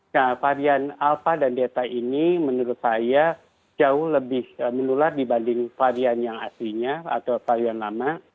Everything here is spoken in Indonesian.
nah varian alpha dan delta ini menurut saya jauh lebih menular dibanding varian yang aslinya atau varian lama